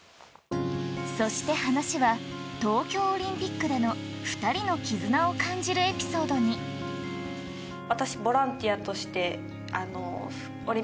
そして話は東京オリンピックでの２人の絆を感じるエピソードに行ってたので。